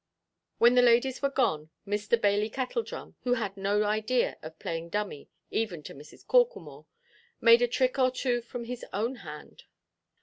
When the ladies were gone, Mr. Bailey Kettledrum, who had no idea of playing dummy even to Mrs. Corklemore, made a trick or two from his own hand.